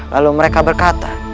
lalu mereka berkata